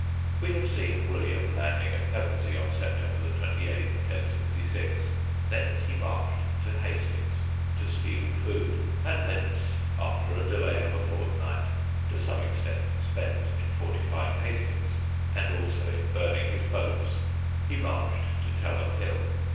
We have seen William landing at Pevensey on September 28, 1066: thence he marched to Hastings "to steal food," and thence, after a delay of a fortnight (to some extent spent in fortifying Hastings, and also in burning his boats), he marched to Telham hill.